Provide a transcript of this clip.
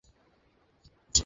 আমি লোকটাকে চিনি।